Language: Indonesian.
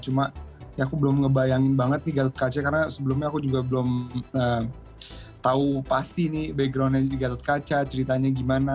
cuma ya aku belum ngebayangin banget nih gatot kaca karena sebelumnya aku juga belum tahu pasti nih backgroundnya gatot kaca ceritanya gimana